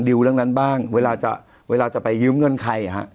ดิวเรื่องนั้นบ้างเวลาจะไปยืมเงินใครฮะ